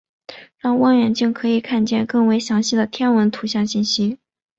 让望远镜可以看见更为详细的天文图像信息。